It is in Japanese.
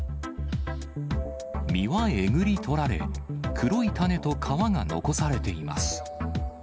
実はえぐりとられ、黒い種と皮が残されています。